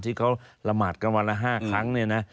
ที่เขาละหมาดกันวันละ๕ครั้งเนี่ยนะ